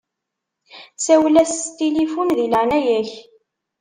Sawel-as s tilifun di leɛnaya-k.